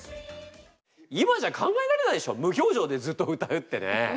今じゃ考えられないでしょ無表情でずっと歌うってね。